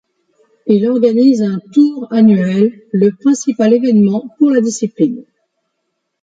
Il organise un Tour annuel, le principal événement pour la discipline.